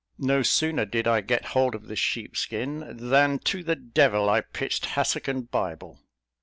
No sooner did I get hold of the sheepskin, than to the devil I pitched hassock and bible."